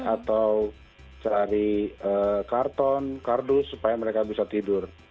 atau cari karton kardus supaya mereka bisa tidur